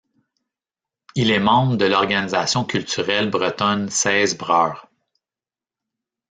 Il est membre de l'organisation culturelle bretonne Seiz Breur.